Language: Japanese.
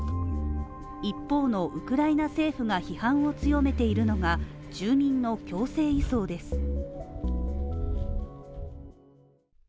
一方のウクライナ政府が批判を強めているのが住民の強制移送です。